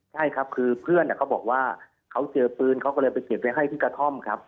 ใช่ครับคือเพื่อนเขาบอกว่าเขาเจอปืนเขาก็เลยไปเก็บไว้ให้ที่กระท่อมครับ